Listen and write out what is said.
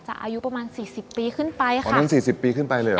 จะอายุประมาณ๔๐ปีขึ้นไปค่ะอ๋ออายุประมาณ๔๐ปีขึ้นไปเลยเหรอ